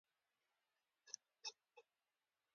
او ان ډېر ویټامین سي مصرف هم ستاسې